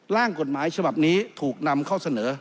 ร่างกฎหมายฉบับนี้ถูกนำเข้าเสนอ